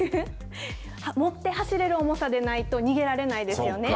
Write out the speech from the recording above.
持って走れる重さでないと逃げられないですよね。